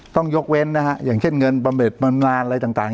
ต้องยกเว้นนะฮะอย่างเช่นเงินประเมิดประมาณนานอะไรต่างต่าง